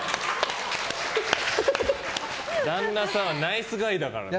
旦那さんはナイスガイだから。